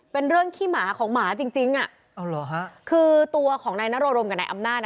เป็นเรื่องขี้หมาของหมาจริงจริงอ่ะอ๋อเหรอฮะคือตัวของนายนโรรมกับนายอำนาจอ่ะ